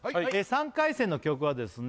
３回戦の曲はですね